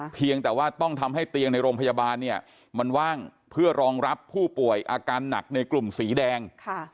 เพียงแต่ว่าต้องทำให้เตียงในโรงพยาบาลเนี่ยมันว่างเพื่อรองรับผู้ป่วยอาการหนักในกลุ่มสีแดง